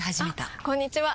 あこんにちは！